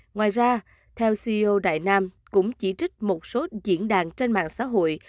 ngoài ra theo ceo đại nam cũng chỉ trích một số diễn đàn trên mạng xã hội